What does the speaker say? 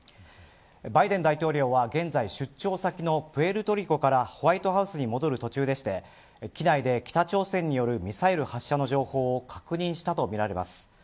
バイデン大統領は現在出張先のプエルトリコからホワイトハウスに戻る途中でして機内で北朝鮮によるミサイル発射の情報を確認したとみられます。